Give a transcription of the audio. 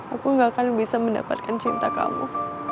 aku gak akan bisa mendapatkan cinta kamu